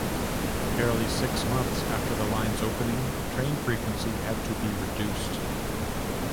Barely six months after the line's opening, train frequency had to be reduced.